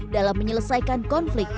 dalam menyelesaikan konflik tanah